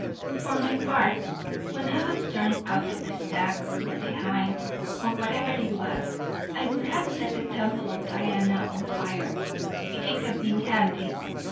For my part, when I was turned out of the Stag, or the Hind, or whatever it was, I would have set the temple of Diana on fire, if it had been handy.